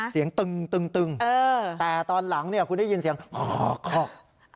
ตึงแต่ตอนหลังคุณได้ยินเสียงหอคอก